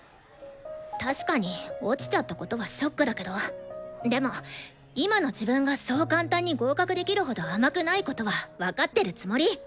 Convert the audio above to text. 確かに落ちちゃったことはショックだけどでも今の自分がそう簡単に合格できるほど甘くないことは分かってるつもり。